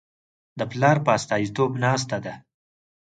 د پلار په استازیتوب ناسته ده.